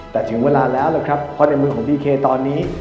แต่ถึงเวลาแล้วล่ะครับเพราะในมือของดีเคตอนนี้